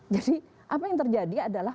jadi apa yang terjadi adalah